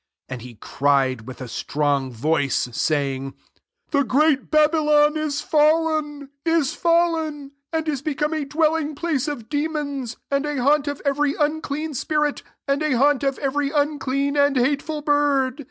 2 And he cried with a strong voice, saying, "The great Babylon is fallen, is follen; and is become a dwelling place of demons, and a haunt of every unclean spirit, and a haunt of every unclean and hateful bird.